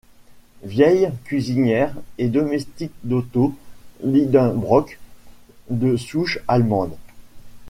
Vieille cuisinière et domestique d'Otto Lidenbrock, de souche allemande.